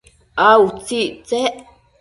a utsictsec?